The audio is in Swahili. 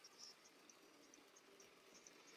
Unaweza pia kutumia mafuta ya mizeituni bila kuyachemsha